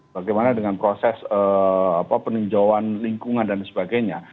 bagaimana dengan proses peninjauan lingkungan dan sebagainya